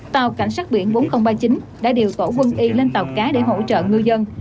tàu cảnh sát biển bốn nghìn ba mươi chín đã điều tổ quân y lên tàu cá để hỗ trợ ngư dân